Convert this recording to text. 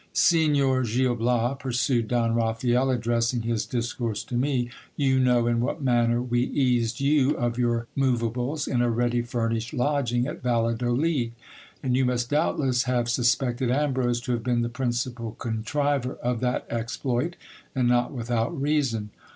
Signor Gil Bias, pursued Don Raphael, addressing his discourse to me, you know in what manner we eased you of your moveables in a ready furnished lodging at Valladolid ; and you must doubtless have suspected Ambrose to have been the principal contriver of that exploit, and not without reason.